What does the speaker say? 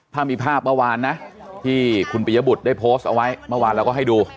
ถ้ามีภาพเมื่อวานนะที่คุณปิยบุตรได้โพสต์เอาไว้เมื่อวานเราก็ให้ดู